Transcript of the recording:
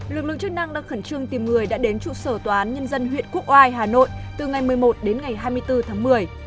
lực lượng chức năng đang khẩn trương tìm người đã đến trụ sở tòa án nhân dân huyện quốc oai hà nội từ ngày một mươi một đến ngày hai mươi bốn tháng một mươi